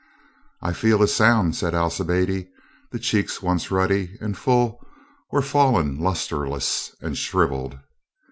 "I feel as sound," said Alcibiade. The cheeks once ruddy and full were fallen lusterless and shriv eled.